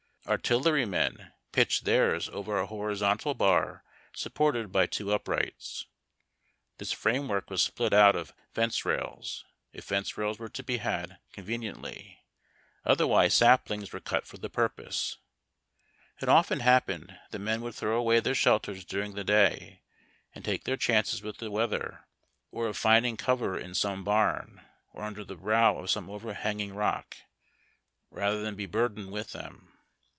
Artillery men pitched theirs over a horizontal bar supported by two uprights. This framework was split out of fence rails, if fence rails were to be had conveniently ; otherwise, saplings were cut for the [)urpose. It often happened that men would throw away their shelters during the day, and take their cliances with the weather, or of finding cover in some barn, or under the brow of some overhanging rock, rather than be burdened with them.